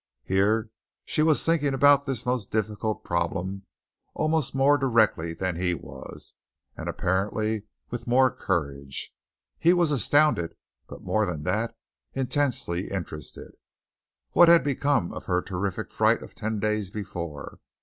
Here she was thinking about this most difficult problem almost more directly than he was and apparently with more courage. He was astounded, but more than that, intensely interested. What had become of her terrific fright of ten days before?